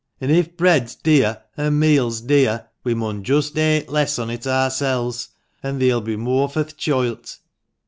An' if bread's dear, an' meal's dear, we mun just ate less on it arsels, an' there'll be moore fur the choilt.